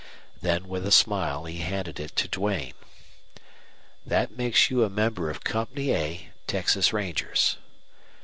Then with a smile he handed it to Duane. "That makes you a member of Company A, Texas Rangers."